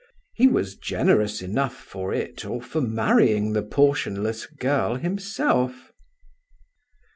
He was generous enough for it, or for marrying the portionless girl himself.